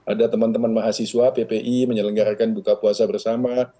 ada teman teman mahasiswa ppi menyelenggarakan buka puasa bersama